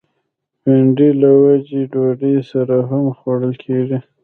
بېنډۍ له وچې ډوډۍ سره هم خوړل کېږي